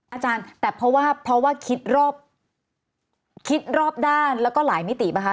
อาจารย์แต่เพราะว่าคิดรอบด้านแล้วก็หลายมิตินะคะ